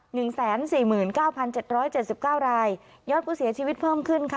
หนึ่งแสนสี่หมื่นเก้าพันเจ็ดร้อยเจ็ดสิบเก้ารายยอดผู้เสียชีวิตเพิ่มขึ้นค่ะ